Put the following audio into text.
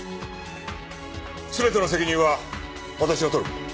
全ての責任は私が取る。